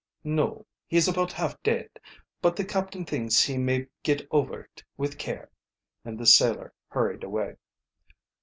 "No; he's about half dead. But the captain thinks he may get over it, with care," and the sailor hurried away.